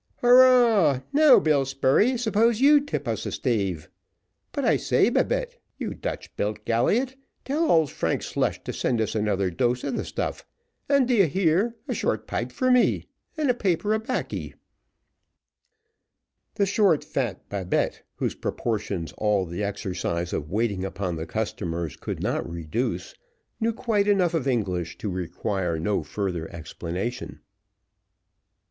"Hurrah! now, Bill Spurey, suppose you tip us a stave. But I say, Babette, you Dutch built galliot, tell old Frank Slush to send us another dose of the stuff; and d'ye hear, a short pipe for me, and a paper o' baccy." The short, fat Babette, whose proportions all the exercise of waiting upon the customers could not reduce, knew quite enough English to require no further explanation.